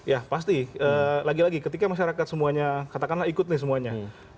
ya pasti lagi lagi ketika masyarakat semuanya katakanlah ikut nih semuanya